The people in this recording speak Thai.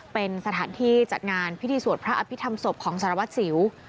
เป็นสถานที่จัดงานพิธีสวดพระอภิษฐรรมศพของสารวัตรสิว